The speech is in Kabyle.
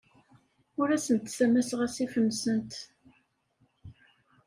Ur asent-ssamaseɣ asif-nsent.